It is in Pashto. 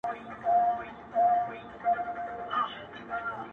دا ژوند پرهر ـ پرهر وجود د ټولو مخ کي کيښود”